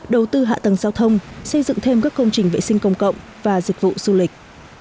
đầu tư hạ tầng giao thông xây dựng thêm các công trình vệ sinh công cộng và dịch vụ du lịch